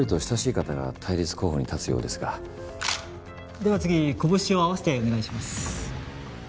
では次拳を合わせてお願いします。